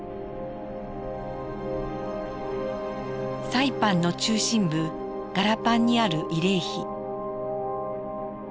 サイパンの中心部ガラパンにある慰霊碑。